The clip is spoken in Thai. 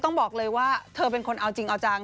ต้องบอกเลยว่าเธอเป็นคนเอาจริงเอาจัง